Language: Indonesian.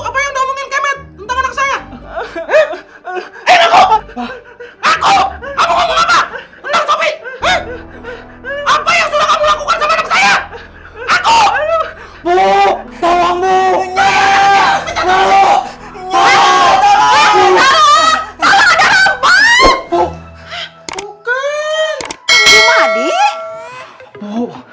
apa yang kamu lakukan sama saya aku